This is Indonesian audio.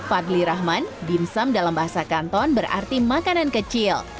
fadli rahman dimsum dalam bahasa kanton berarti makanan kecil